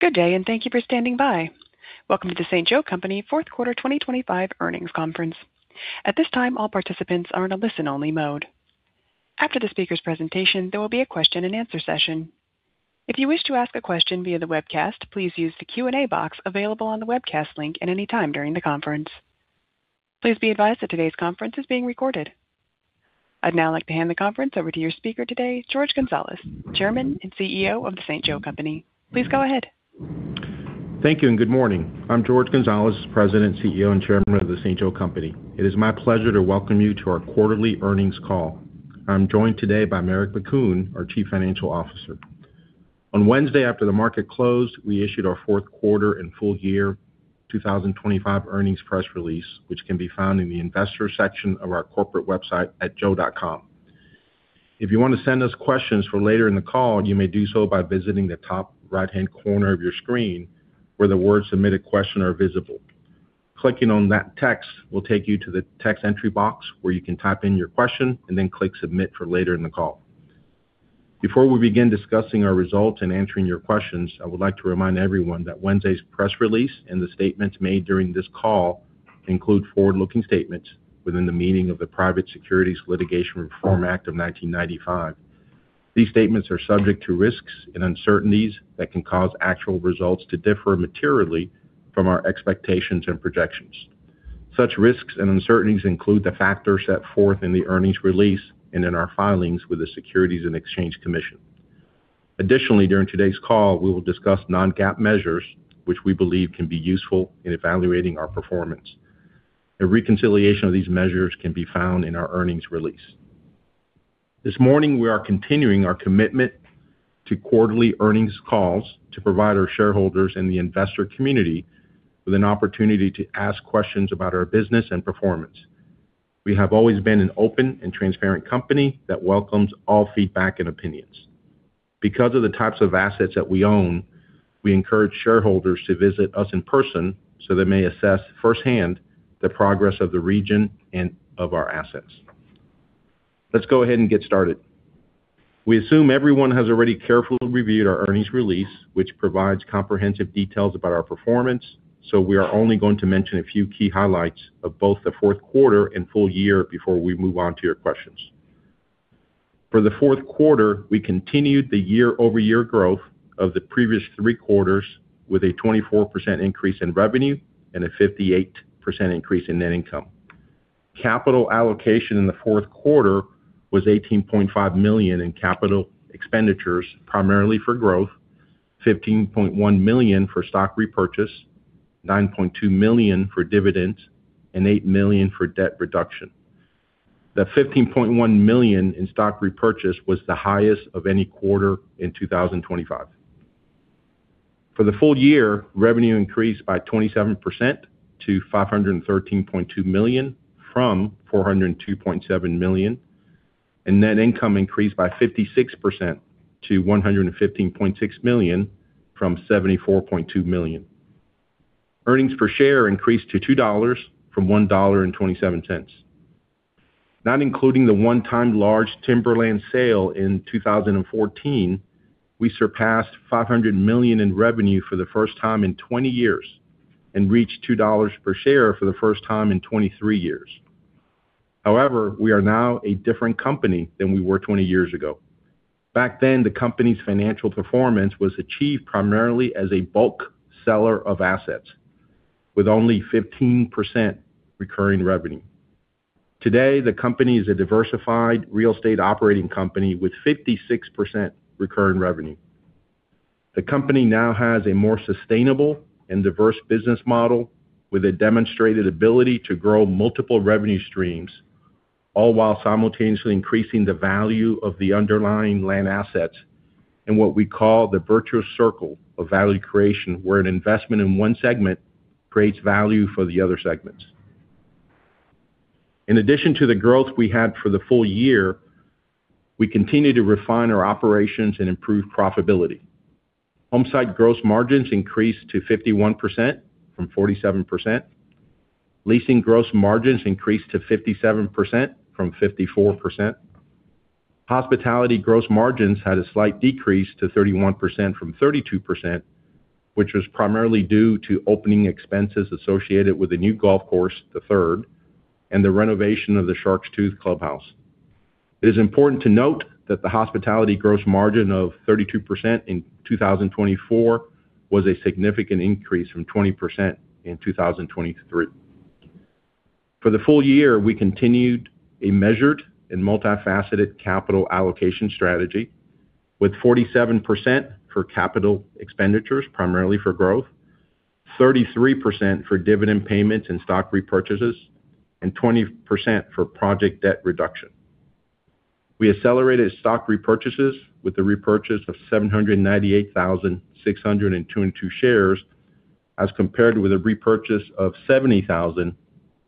Good day, thank you for standing by. Welcome to The St. Joe Company Q4 2025 Earnings Conference. At this time, all participants are in a listen-only mode. After the speaker's presentation, there will be a question-and-answer session. If you wish to ask a question via the webcast, please use the Q&A box available on the webcast link at any time during the conference. Please be advised that today's conference is being recorded. I'd now like to hand the conference over to your speaker today, Jorge Gonzalez, Chairman and CEO of The St. Joe Company. Please go ahead. Thank you, good morning. I'm Jorge Gonzalez, President, CEO, and Chairman of The St. Joe Company. It is my pleasure to welcome you to our quarterly earnings call. I'm joined today by Marek Bakun, our Chief Financial Officer. On Wednesday, after the market closed, we issued our Q4 and full year 2025 earnings press release, which can be found in the investor section of our corporate website at joe.com. If you want to send us questions for later in the call, you may do so by visiting the top right-hand corner of your screen, where the words "Submit a Question" are visible. Clicking on that text will take you to the text entry box, where you can type in your question and then click Submit for later in the call. Before we begin discussing our results and answering your questions, I would like to remind everyone that Wednesday's press release and the statements made during this call include forward-looking statements within the meaning of the Private Securities Litigation Reform Act of 1995. These statements are subject to risks and uncertainties that can cause actual results to differ materially from our expectations and projections. Such risks and uncertainties include the factors set forth in the earnings release and in our filings with the Securities and Exchange Commission. Additionally, during today's call, we will discuss non-GAAP measures, which we believe can be useful in evaluating our performance. A reconciliation of these measures can be found in our earnings release. This morning, we are continuing our commitment to quarterly earnings calls to provide our shareholders and the investor community with an opportunity to ask questions about our business and performance. We have always been an open and transparent company that welcomes all feedback and opinions. Because of the types of assets that we own, we encourage shareholders to visit us in person so they may assess firsthand the progress of the region and of our assets. Let's go ahead and get started. We assume everyone has already carefully reviewed our earnings release, which provides comprehensive details about our performance, we are only going to mention a few key highlights of both the Q4 and full year before we move on to your questions. For the Q4, we continued the year-over-year growth of the previous three quarters, with a 24% increase in revenue and a 58% increase in net income. Capital allocation in the Q4 was $18.5 million in capital expenditures, primarily for growth, $15.1 million for stock repurchase, $9.2 million for dividends, and $8 million for debt reduction. The $15.1 million in stock repurchase was the highest of any quarter in 2025. For the full year, revenue increased by 27% to $513.2 million from $402.7 million, and net income increased by 56% to $115.6 million from $74.2 million. Earnings per share increased to $2 from $1.27. Not including the one-time large timberland sale in 2014, we surpassed $500 million in revenue for the first time in 20 years and reached $2 per share for the first time in 23 years. We are now a different company than we were 20 years ago. Back then, the company's financial performance was achieved primarily as a bulk seller of assets, with only 15% recurring revenue. Today, the company is a diversified real estate operating company with 56% recurring revenue. The company now has a more sustainable and diverse business model, with a demonstrated ability to grow multiple revenue streams, all while simultaneously increasing the value of the underlying land assets in what we call the virtuous circle of value creation, where an investment in one segment creates value for the other segments. In addition to the growth we had for the full year, we continued to refine our operations and improve profitability. Homesite gross margins increased to 51% from 47%. Leasing gross margins increased to 57% from 54%. Hospitality gross margins had a slight decrease to 31% from 32%, which was primarily due to opening expenses associated with the new golf course, The Third, and the renovation of the Shark's Tooth clubhouse. It is important to note that the hospitality gross margin of 32% in 2024 was a significant increase from 20% in 2023. For the full year, we continued a measured and multifaceted capital allocation strategy, with 47% for capital expenditures, primarily for growth, 33% for dividend payments and stock repurchases, and 20% for project debt reduction. We accelerated stock repurchases with the repurchase of 798,622 shares, as compared with a repurchase of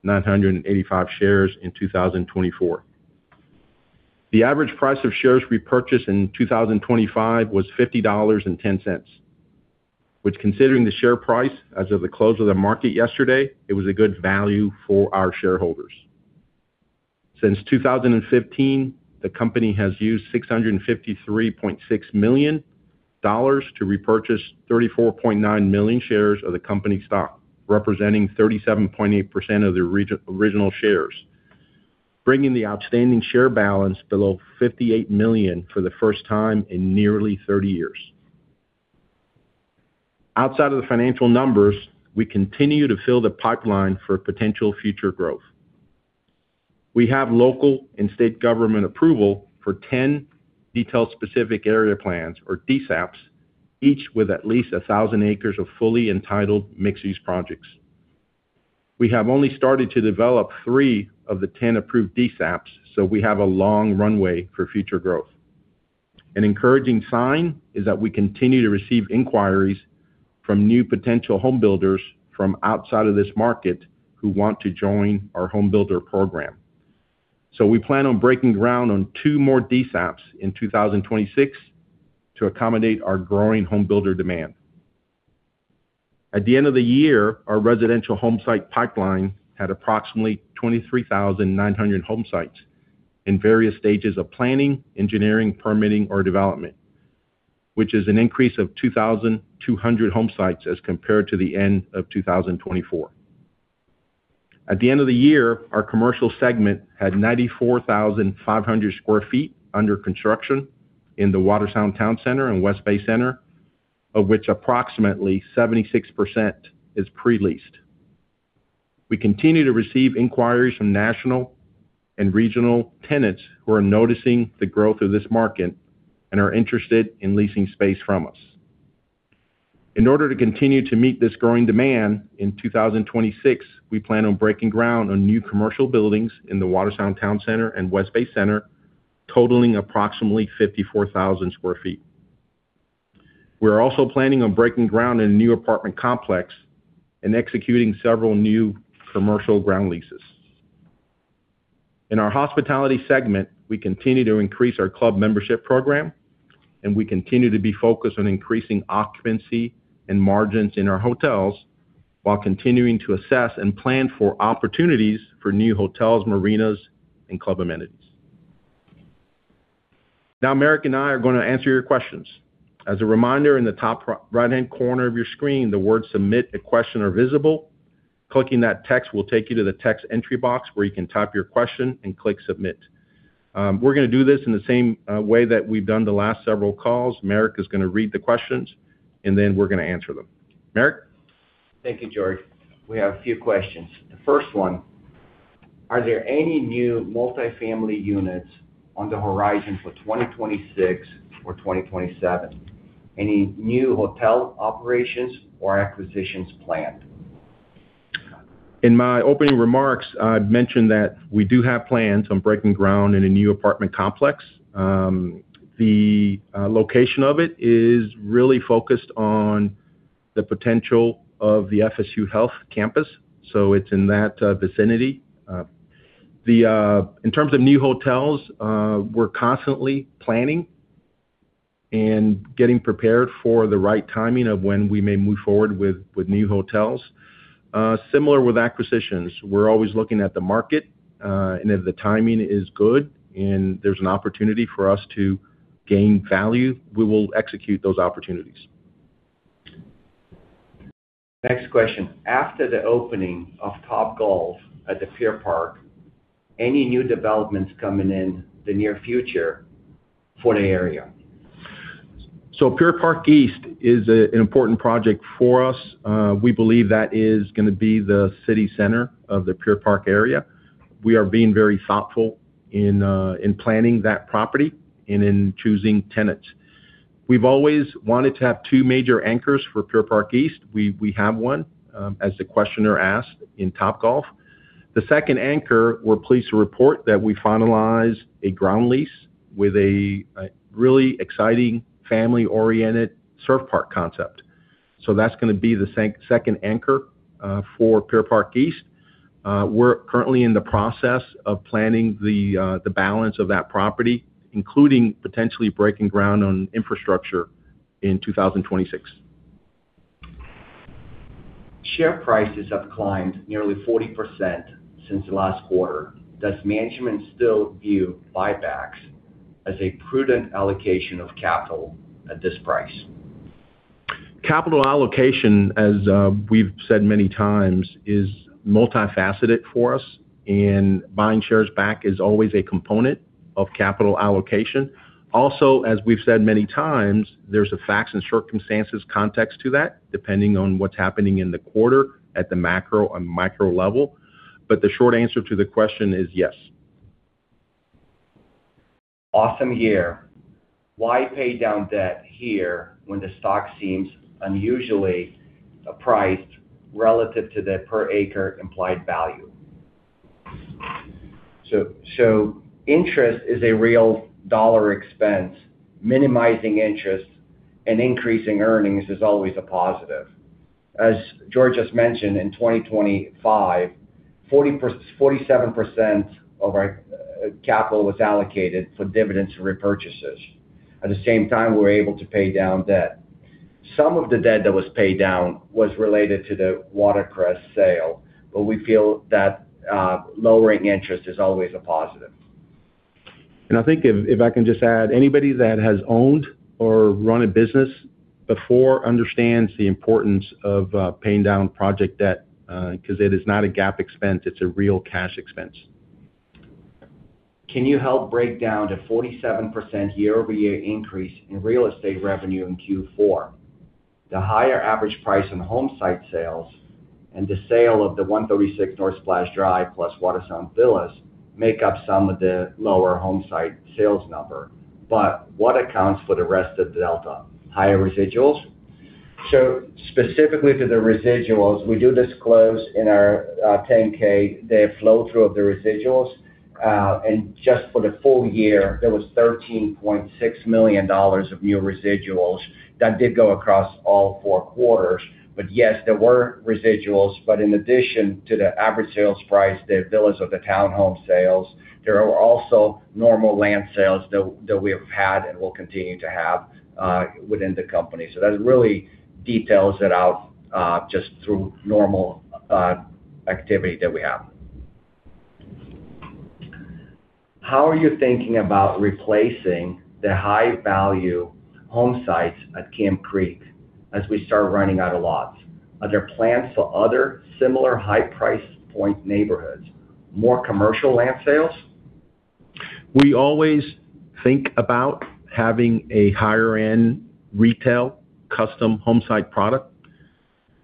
70,985 shares in 2024. The average price of shares repurchased in 2025 was $50.10, which, considering the share price as of the close of the market yesterday, it was a good value for our shareholders. Since 2015, the company has used $653.6 million to repurchase 34.900,000 shares of the company stock, representing 37.8% of the original shares, bringing the outstanding share balance below 58,000,000 for the first time in nearly 30 years. Outside of the financial numbers, we continue to fill the pipeline for potential future growth. We have local and state government approval for 10 Detailed Specific Area Plans, or DSAPs, each with at least 1,000 acres of fully entitled mixed-use projects. We have only started to develop three of the 10 approved DSAPs, so we have a long runway for future growth. An encouraging sign is that we continue to receive inquiries from new potential home builders from outside of this market who want to join our home builder program. We plan on breaking ground on two more DSAPs in 2026 to accommodate our growing home builder demand. At the end of the year, our residential home site pipeline had approximately 23,900 home sites in various stages of planning, engineering, permitting, or development, which is an increase of 2,200 home sites as compared to the end of 2024. At the end of the year, our commercial segment had 94,500 sq ft under construction in the Watersound Town Center and Watersound West Bay Center, of which approximately 76% is pre-leased. We continue to receive inquiries from national and regional tenants who are noticing the growth of this market and are interested in leasing space from us. In order to continue to meet this growing demand, in 2026, we plan on breaking ground on new commercial buildings in the Watersound Town Center and Watersound West Bay Center, totaling approximately 54,000 sq ft. We're also planning on breaking ground in a new apartment complex and executing several new commercial ground leases. In our hospitality segment, we continue to increase our club membership program, and we continue to be focused on increasing occupancy and margins in our hotels, while continuing to assess and plan for opportunities for new hotels, marinas, and club amenities. Marek and I are going to answer your questions. As a reminder, in the top right-hand corner of your screen, the words "Submit a Question" are visible. Clicking that text will take you to the text entry box, where you can type your question and click Submit. We're going to do this in the same way that we've done the last several calls. Marek is going to read the questions, and then we're going to answer them. Marek? Thank you, Jorge. We have a few questions. The first one: are there any new multifamily units on the horizon for 2026 or 2027? Any new hotel operations or acquisitions planned? In my opening remarks, I mentioned that we do have plans on breaking ground in a new apartment complex. The location of it is really focused on the potential of the FSU Health campus, so it's in that vicinity. In terms of new hotels, we're constantly planning and getting prepared for the right timing of when we may move forward with new hotels. Similar with acquisitions, we're always looking at the market, and if the timing is good and there's an opportunity for us to gain value, we will execute those opportunities. Next question: After the opening of Topgolf at the Pier Park, any new developments coming in the near future for the area? Pier Park East is a, an important project for us. We believe that is going to be the city center of the Pier Park area. We are being very thoughtful in planning that property and in choosing tenants. We've always wanted to have two major anchors for Pier Park East. We have one, as the questioner asked, in Topgolf. The second anchor, we're pleased to report that we finalized a ground lease with a really exciting, family-oriented surf park concept. That's going to be the second anchor for Pier Park East. We're currently in the process of planning the balance of that property, including potentially breaking ground on infrastructure in 2026. Share prices have climbed nearly 40% since the last quarter. Does management still view buybacks as a prudent allocation of capital at this price? Capital allocation, as we've said many times, is multifaceted for us, and buying shares back is always a component of capital allocation. Also, as we've said many times, there's a facts and circumstances context to that, depending on what's happening in the quarter at the macro and micro level. The short answer to the question is yes. Awesome year. Why pay down debt here when the stock seems unusually priced relative to the per acre implied value? Interest is a real dollar expense. Minimizing interest and increasing earnings is always a positive. As Jorge just mentioned, in 2025, 47% of our capital was allocated for dividends and repurchases. At the same time, we were able to pay down debt. Some of the debt that was paid down was related to the Watercrest sale, we feel that lowering interest is always a positive. I think if I can just add, anybody that has owned or run a business before, understands the importance of paying down project debt because it is not a GAAP expense, it's a real cash expense. Can you help break down the 47% year-over-year increase in real estate revenue in Q4? The higher average price in home site sales and the sale of the 136 North Splash Drive, plus Watersound Villas, make up some of the lower home site sales number. What accounts for the rest of the delta? Higher residuals? Specifically to the residuals, we do disclose in our 10-K, the flow-through of the residuals. Just for the full year, there was $13.6 million of new residuals that did go across all four quarters. Yes, there were residuals, in addition to the average sales price, the villas of the town home sales, there are also normal land sales that we have had and will continue to have within the company. That really details it out just through normal activity that we have. How are you thinking about replacing the high-value home sites at Camp Creek as we start running out of lots? Are there plans for other similar high price point neighborhoods, more commercial land sales? We always think about having a higher-end retail custom home site product.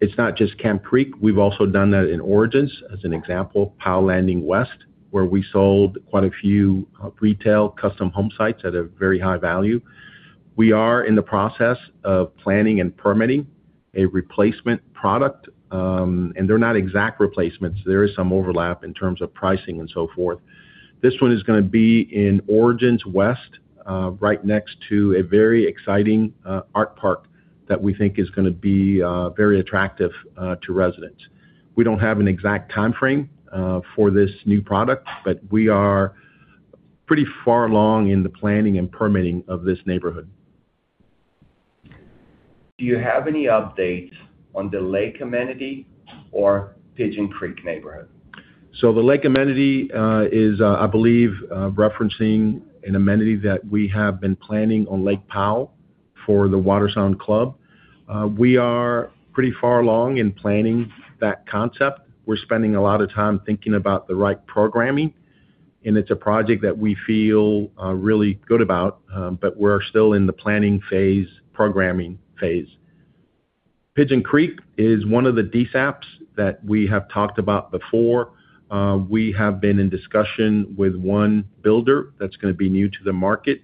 It's not just Camp Creek, we've also done that in Origins. As an example, Powell Landing West, where we sold quite a few retail custom home sites at a very high value. We are in the process of planning and permitting a replacement product, and they're not exact replacements. There is some overlap in terms of pricing and so forth. This one is gonna be in Origins West, right next to a very exciting art park that we think is gonna be very attractive to residents. We don't have an exact time frame for this new product, but we are pretty far along in the planning and permitting of this neighborhood. Do you have any updates on the Lake amenity or Pigeon Creek neighborhood? The Lake amenity is, I believe, referencing an amenity that we have been planning on Lake Powell for the Watersound Club. We are pretty far along in planning that concept. We're spending a lot of time thinking about the right programming, and it's a project that we feel really good about, but we're still in the planning phase, programming phase. Pigeon Creek is one of the DSAPs that we have talked about before. We have been in discussion with one builder that's gonna be new to the market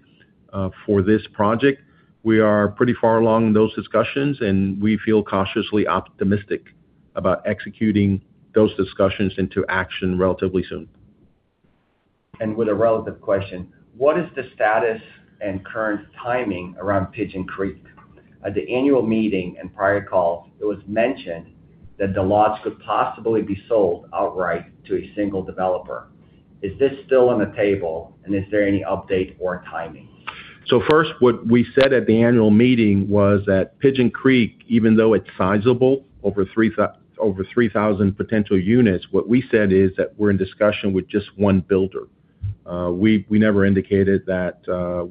for this project. We are pretty far along in those discussions, and we feel cautiously optimistic about executing those discussions into action relatively soon. With a relative question, what is the status and current timing around Pigeon Creek? At the annual meeting and prior calls, it was mentioned that the lots could possibly be sold outright to a single developer. Is this still on the table, and is there any update or timing? First, what we said at the annual meeting was that Pigeon Creek, even though it's sizable, over 3,000 potential units, what we said is that we're in discussion with just one builder. We never indicated that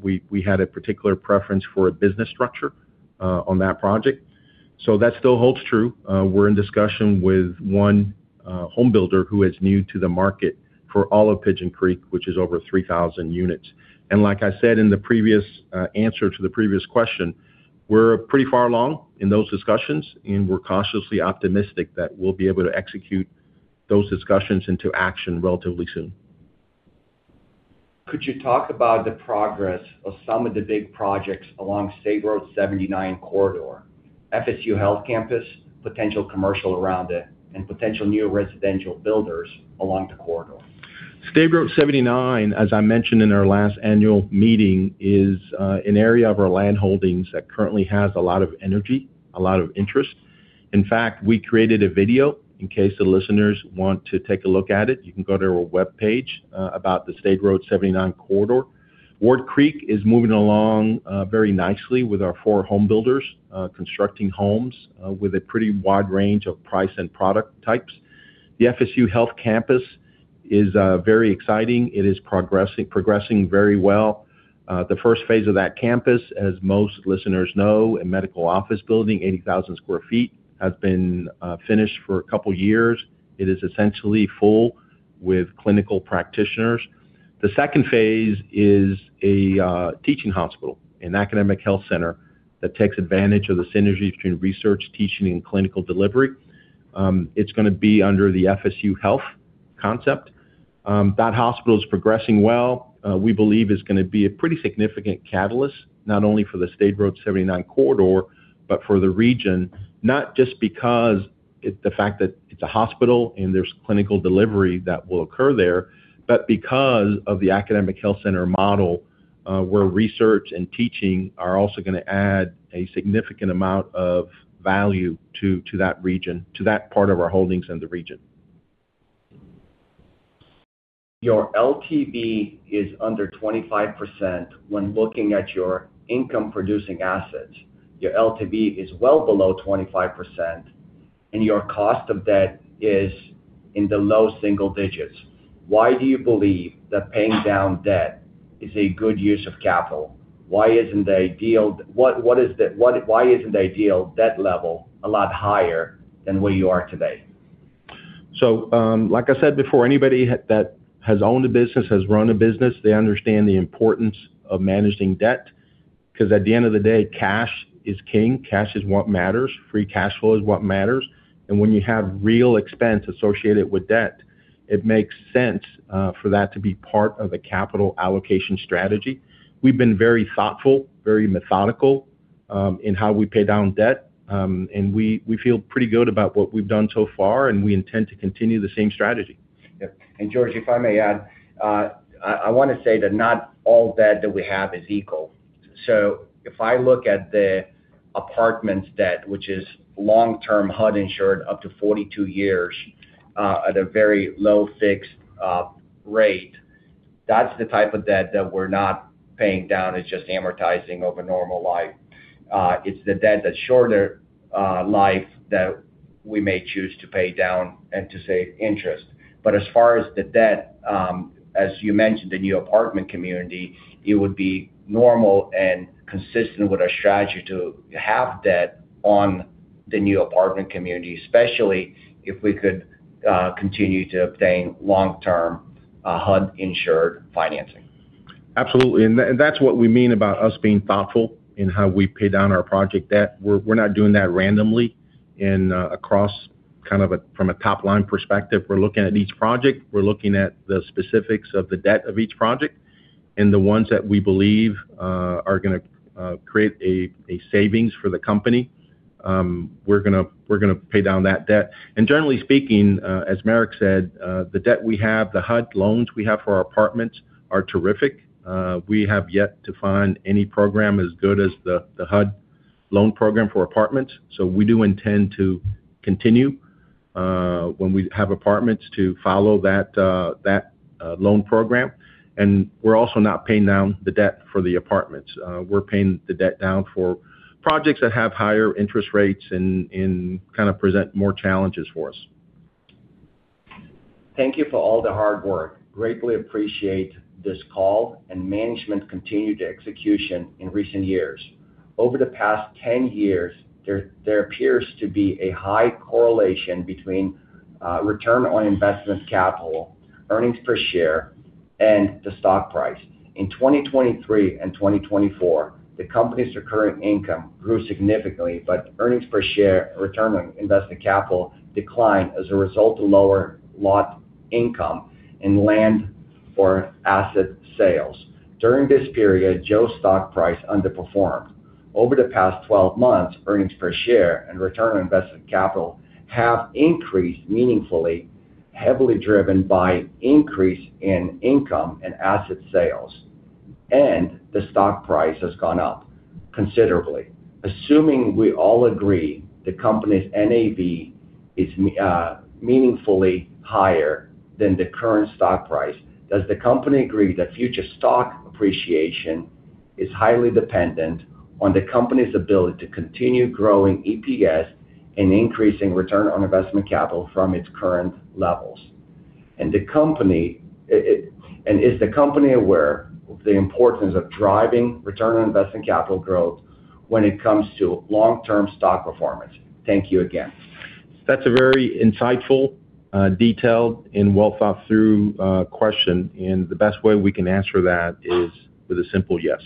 we had a particular preference for a business structure on that project. That still holds true. We're in discussion with one home builder who is new to the market for all of Pigeon Creek, which is over 3,000 units. Like I said in the previous answer to the previous question, we're pretty far along in those discussions, and we're cautiously optimistic that we'll be able to execute those discussions into action relatively soon. Could you talk about the progress of some of the big projects along State Road 79 corridor, FSU Health Campus, potential commercial around it, and potential new residential builders along the corridor? State Road 79, as I mentioned in our last annual meeting, is an area of our land holdings that currently has a lot of energy, a lot of interest. In fact, we created a video. In case the listeners want to take a look at it, you can go to our webpage about the State Road 79 corridor. Ward Creek is moving along very nicely with our four home builders constructing homes with a pretty wide range of price and product types. The FSU Health Campus is very exciting. It is progressing very well. The first phase of that campus, as most listeners know, a medical office building, 80,000 sq ft, has been finished for a couple of years. It is essentially full with clinical practitioners. The second phase is a teaching hospital, an academic health center, that takes advantage of the synergies between research, teaching, and clinical delivery. It's gonna be under the FSU Health concept. That hospital is progressing well. We believe it's gonna be a pretty significant catalyst, not only for the State Road 79 corridor, but for the region. Not just because the fact that it's a hospital and there's clinical delivery that will occur there, but because of the academic health center model, where research and teaching are also gonna add a significant amount of value to that region, to that part of our holdings in the region. Your LTV is under 25% when looking at your income-producing assets. Your LTV is well below 25%, and your cost of debt is in the low single digits. Why do you believe that paying down debt is a good use of capital? Why isn't the ideal debt level a lot higher than where you are today? Like I said before, anybody that has owned a business, has run a business, they understand the importance of managing debt. At the end of the day, cash is king. Cash is what matters. Free cash flow is what matters. When you have real expense associated with debt, it makes sense for that to be part of a capital allocation strategy. We've been very thoughtful, very methodical in how we pay down debt. We feel pretty good about what we've done so far, and we intend to continue the same strategy. Yep. Jorge, if I may add, I want to say that not all debt that we have is equal. If I look at the apartment debt, which is long-term HUD-insured, up to 42 years, at a very low fixed rate, that's the type of debt that we're not paying down. It's just amortizing over normal life. It's the debt that's shorter life that we may choose to pay down and to save interest. As far as the debt, as you mentioned, the new apartment community, it would be normal and consistent with our strategy to have debt on the new apartment community, especially if we could continue to obtain long-term HUD-insured financing. Absolutely. That's what we mean about us being thoughtful in how we pay down our project debt. We're not doing that randomly and across from a top-line perspective. We're looking at each project, we're looking at the specifics of the debt of each project, and the ones that we believe are gonna create a savings for the company, we're gonna pay down that debt. Generally speaking, as Marek said, the debt we have, the HUD loans we have for our apartments are terrific. We have yet to find any program as good as the HUD loan program for apartments. We do intend to continue, when we have apartments, to follow that loan program. We're also not paying down the debt for the apartments. We're paying the debt down for projects that have higher interest rates and kind of present more challenges for us. Thank you for all the hard work. Greatly appreciate this call and management continued execution in recent years. Over the past 10 years, there appears to be a high correlation between return on investment capital, earnings per share, and the stock price. In 2023 and 2024, the company's recurring income grew significantly, but earnings per share, return on invested capital declined as a result of lower lot income and land or asset sales. During this period, Joe's stock price underperformed. Over the past 12 months, earnings per share and return on invested capital have increased meaningfully, heavily driven by increase in income and asset sales, and the stock price has gone up considerably. Assuming we all agree the company's NAV is meaningfully higher than the current stock price, does the company agree that future stock appreciation is highly dependent on the company's ability to continue growing EPS and increasing return on investment capital from its current levels? Is the company aware of the importance of driving return on investment capital growth when it comes to long-term stock performance? Thank you again. That's a very insightful, detailed, and well-thought-through, question, and the best way we can answer that is with a simple yes.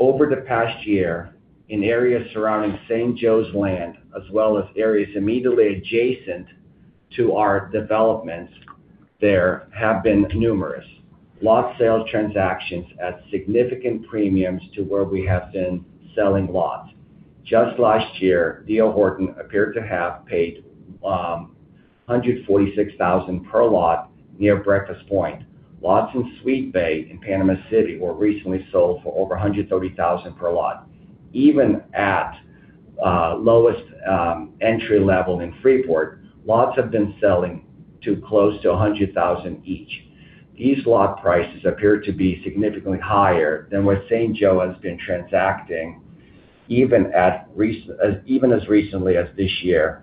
Over the past year, in areas surrounding St. Joe's land, as well as areas immediately adjacent to our developments, there have been numerous lot sales transactions at significant premiums to where we have been selling lots. Just last year, D.R. Horton, Inc. appeared to have paid $146,000 per lot near Breakfast Point. Lots in Sweet Bay in Panama City were recently sold for over $130,000 per lot. Even at lowest entry level in Freeport, lots have been selling to close to $100,000 each. These lot prices appear to be significantly higher than what St. Joe has been transacting, even as recently as this year,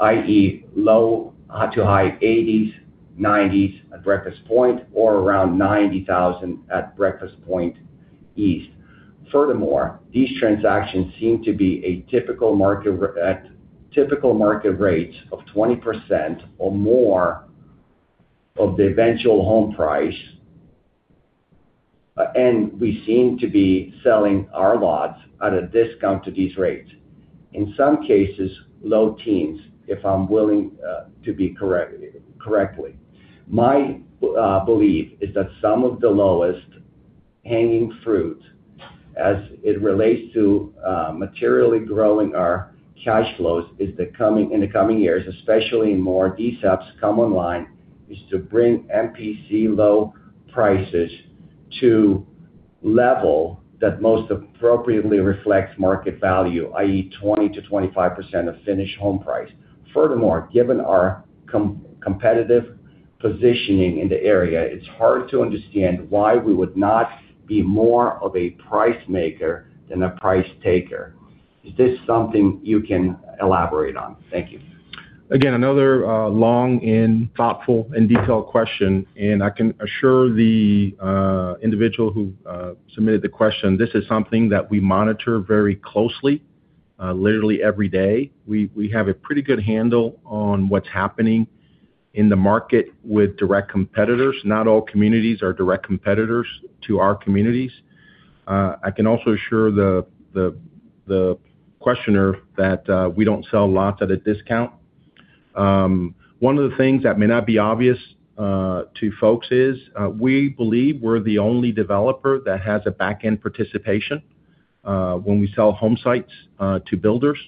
i.e., low to high $80s, $90s at Breakfast Point or around $90,000 at Breakfast Point East. Futhermore these transactions seem to be at typical market rates of 20% or more of the eventual home price, and we seem to be selling our lots at a discount to these rates. In some cases, low teens, if I'm willing to be correctly. My belief is that some of the lowest hanging fruit as it relates to materially growing our cash flows in the coming years, especially more DSAPs come online, is to bring MPC low prices to level that most appropriately reflects market value, i.e., 20%-25% of finished home price. Given our competitive positioning in the area, it's hard to understand why we would not be more of a price maker than a price taker. Is this something you can elaborate on? Thank you. Again, another long and thoughtful and detailed question. I can assure the individual who submitted the question, this is something that we monitor very closely, literally every day. We have a pretty good handle on what's happening in the market with direct competitors. Not all communities are direct competitors to our communities. I can also assure the questioner that we don't sell lots at a discount. One of the things that may not be obvious to folks is we believe we're the only developer that has a back-end participation when we sell home sites to builders.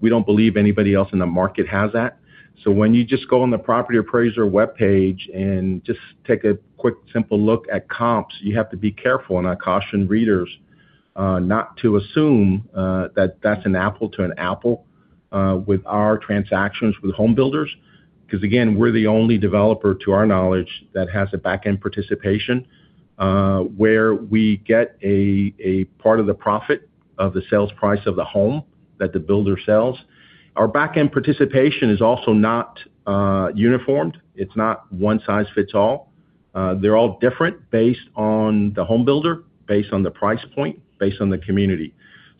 We don't believe anybody else in the market has that. When you just go on the property appraiser webpage and just take a quick, simple look at comps, you have to be careful, and I caution readers not to assume that that's an apple to an apple with our transactions with home builders. Cause again, we're the only developer, to our knowledge, that has a back-end participation where we get a part of the profit of the sales price of the home that the builder sells. Our back-end participation is also not uniformed. It's not one size fits all. They're all different based on the home builder, based on the price point, based on the community.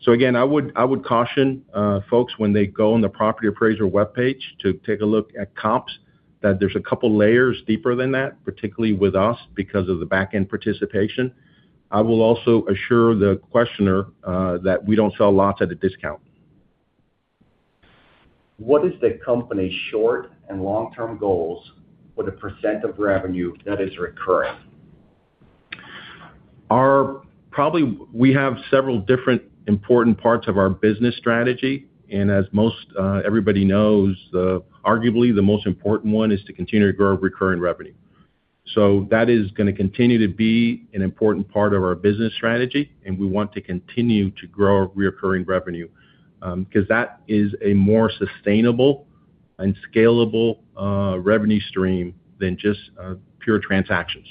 Again, I would caution folks when they go on the property appraiser webpage to take a look at comps, that there's a couple of layers deeper than that, particularly with us, because of the back-end participation. I will also assure the questioner that we don't sell lots at a discount. What is the company's short and long-term goals for the percent of revenue that is recurring? Probably, we have several different important parts of our business strategy, and as most everybody knows, the, arguably, the most important one is to continue to grow our recurring revenue. That is going to continue to be an important part of our business strategy, and we want to continue to grow our recurring revenue because that is a more sustainable and scalable revenue stream than just pure transactions.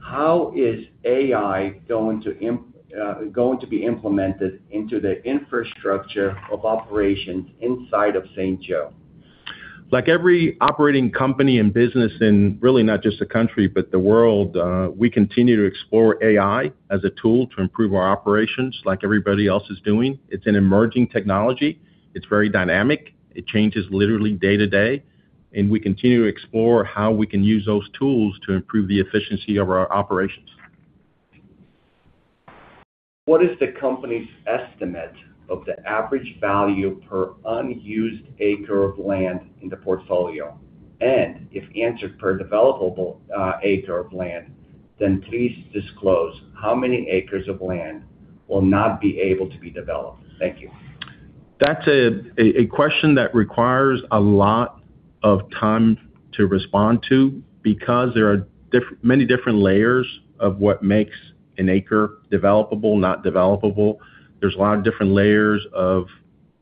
How is AI going to be implemented into the infrastructure of operations inside of St. Joe? Like every operating company and business in, really, not just the country, but the world, we continue to explore AI as a tool to improve our operations like everybody else is doing. It's an emerging technology. It's very dynamic. It changes literally day to day. We continue to explore how we can use those tools to improve the efficiency of our operations. What is the company's estimate of the average value per unused acre of land in the portfolio? If answered per developable, acre of land, then please disclose how many acres of land will not be able to be developed. Thank you. That's a question that requires a lot of time to respond to because there are many different layers of what makes an acre developable, not developable. There's a lot of different layers of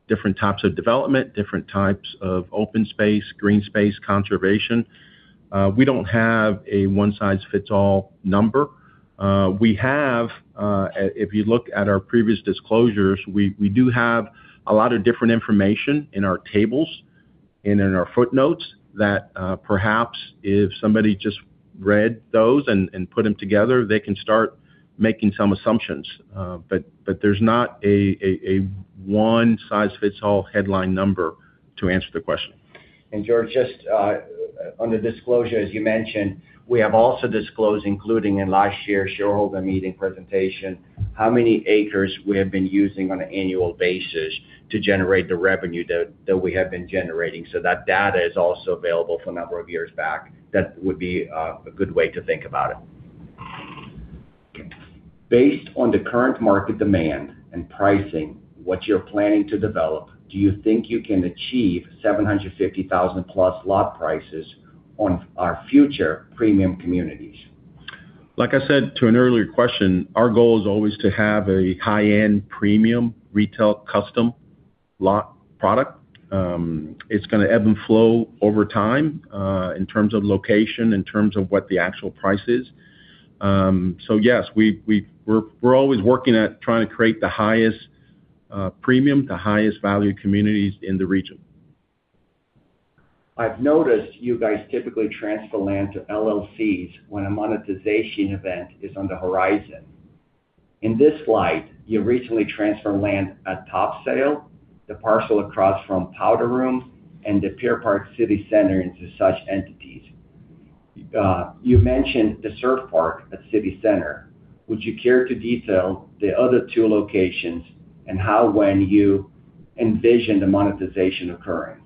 different types of development, different types of open space, green space conservation. We don't have a one-size-fits-all number. We have, if you look at our previous disclosures, we do have a lot of different information in our tables and in our footnotes that perhaps if somebody just read those and put them together, they can start making some assumptions. But there's not a one-size-fits-all headline number to answer the question. Jorge, just on the disclosure, as you mentioned, we have also disclosed, including in last year's shareholder meeting presentation, how many acres we have been using on an annual basis to generate the revenue that we have been generating. That data is also available for a number of years back. That would be a good way to think about it. Based on the current market demand and pricing, what you're planning to develop, do you think you can achieve $750,000+ lot prices on our future premium communities? Like I said to an earlier question, our goal is always to have a high-end, premium, retail, custom lot product. It's gonna ebb and flow over time, in terms of location, in terms of what the actual price is. Yes, we're always working at trying to create the highest, premium, the highest value communities in the region. I've noticed you guys typically transfer land to LLCs when a monetization event is on the horizon. In this slide, you recently transferred land at Topsail, the parcel across from Powder Room and the Pier Park City Center into such entities. You mentioned the Surf Park at City Center. Would you care to detail the other two locations and how, when you envision the monetization occurring?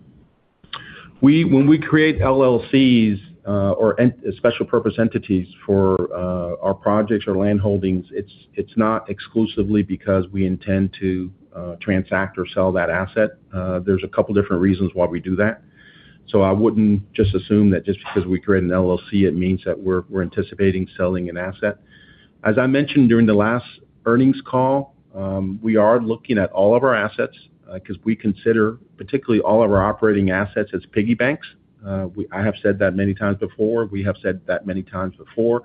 When we create LLCs, or special purpose entities for our projects or land holdings, it's not exclusively because we intend to transact or sell that asset. There's a couple of different reasons why we do that. I wouldn't just assume that just because we create an LLC, it means that we're anticipating selling an asset. As I mentioned during the last earnings call, we are looking at all of our assets because we consider particularly all of our operating assets as piggy banks. I have said that many times before. We have said that many times before.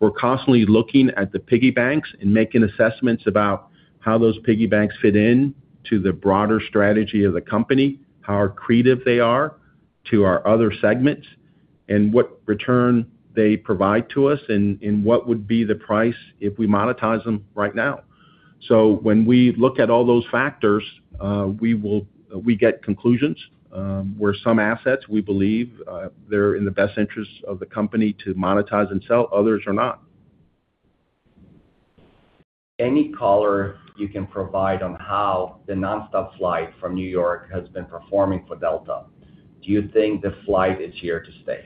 We're constantly looking at the piggy banks and making assessments about how those piggy banks fit in to the broader strategy of the company, how accretive they are to our other segments, and what return they provide to us, and what would be the price if we monetize them right now. When we look at all those factors, we get conclusions, where some assets, we believe, they're in the best interest of the company to monetize and sell, others are not. Any color you can provide on how the nonstop flight from New York has been performing for Delta? Do you think the flight is here to stay?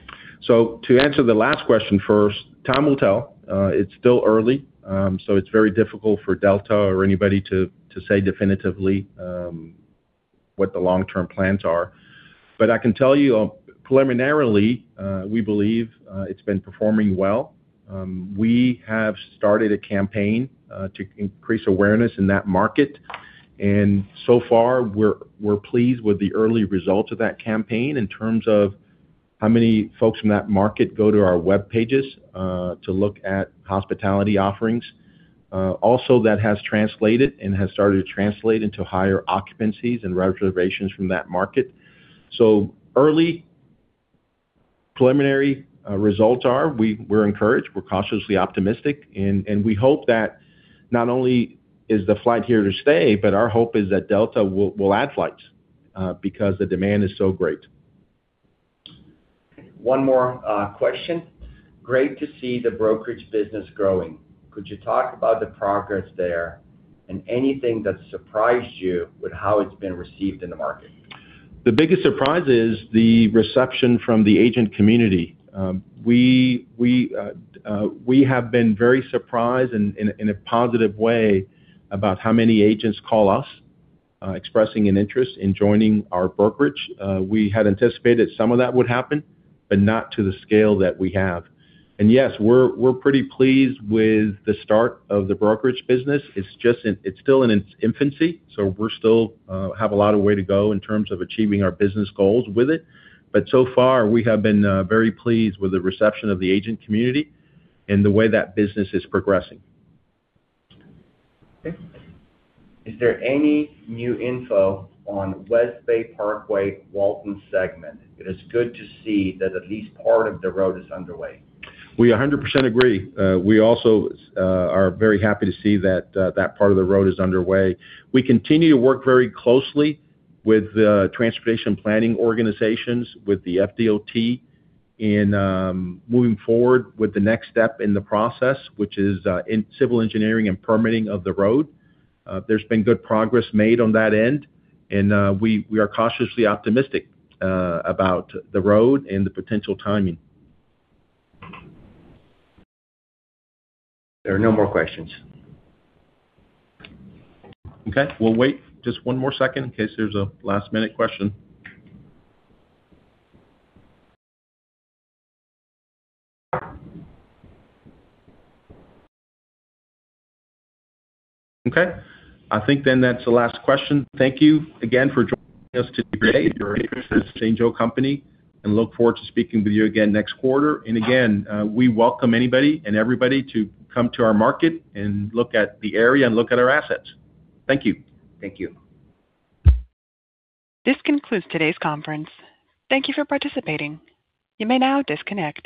To answer the last question first, time will tell. It's still early, so it's very difficult for Delta or anybody to say definitively, what the long-term plans are. I can tell you, preliminarily, we believe, it's been performing well. We have started a campaign to increase awareness in that market, and so far, we're pleased with the early results of that campaign in terms of how many folks from that market go to our web pages to look at hospitality offerings. Also, that has translated and has started to translate into higher occupancies and reservations from that market. Early preliminary results are, we're encouraged, we're cautiously optimistic, and we hope that not only is the flight here to stay, but our hope is that Delta will add flights because the demand is so great. One more question: Great to see the brokerage business growing. Could you talk about the progress there and anything that surprised you with how it's been received in the market? The biggest surprise is the reception from the agent community. We have been very surprised in a positive way about how many agents call us, expressing an interest in joining our brokerage. We had anticipated some of that would happen, but not to the scale that we have. Yes, we're pretty pleased with the start of the brokerage business. It's still in its infancy, so we're still have a lot of way to go in terms of achieving our business goals with it. So far, we have been very pleased with the reception of the agent community and the way that business is progressing. Okay. Is there any new info on West Bay Parkway, Walton segment? It is good to see that at least part of the road is underway. We 100% agree. We also are very happy to see that that part of the road is underway. We continue to work very closely with the transportation planning organizations, with the FDOT, in moving forward with the next step in the process, which is in civil engineering and permitting of the road. There's been good progress made on that end, and we are cautiously optimistic about the road and the potential timing. There are no more questions. Okay. We'll wait just one more second in case there's a last-minute question. Okay, I think then that's the last question. Thank you again for joining us today. Your interest in The St. Joe Company, and look forward to speaking with you again next quarter. Again, we welcome anybody and everybody to come to our market and look at the area and look at our assets. Thank you. Thank you. This concludes today's conference. Thank you for participating. You may now disconnect.